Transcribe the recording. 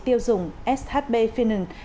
tiêu dùng shb finan